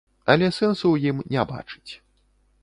Але сэнсу ў ім не бачыць.